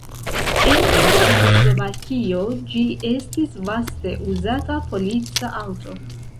En Ĉeĥoslovakio ĝi estis vaste uzata polica aŭto.